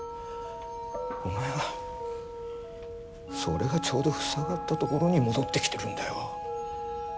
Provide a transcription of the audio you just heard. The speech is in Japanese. お前はそれがちょうど塞がったところに戻ってきてるんだよ。